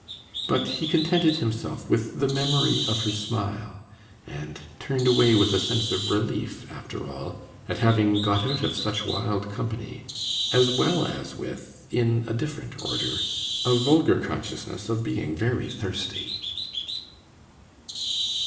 But he contented himself with the memory of her smile, and turned away with a sense of relief, after all, at having got out of such wild company, as well as with (in a different order) a vulgar consciousness of being very thirsty.